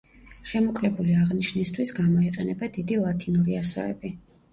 შემოკლებული აღნიშვნისთვის გამოიყენება დიდი ლათინური ასოები.